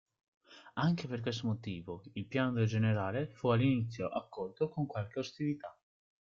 Anche per questo motivo il piano del generale fu all'inizio accolto con qualche ostilità.